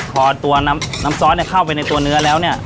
พอตัวน้ำซอสเข้าไปในตัวเนื้อแล้วเนี่ย